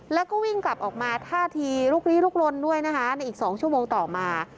แล้วก็วิ่งกลับออกมาท่าทีลุกลี้ลุกลนด้วยนะคะในอีก๒ชั่วโมงต่อมา